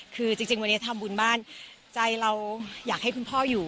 คือจริงวันนี้ทำบุญบ้านใจเราอยากให้คุณพ่ออยู่